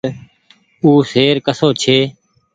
او شهر ڪسو ڇي۔